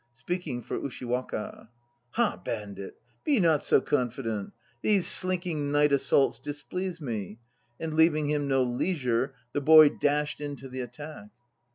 (Speaking for USHIWAKA.) "Ha, bandit! Be not so confident! These slinking night assaults displease me"; and leaving him no leisure, the boy dashed in to the attack.